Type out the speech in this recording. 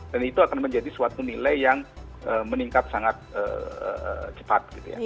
dan itu akan menjadi suatu nilai yang meningkat sangat cepat gitu ya